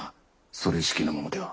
それしきのものでは。